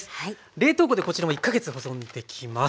冷凍庫でこちらも１か月保存できます。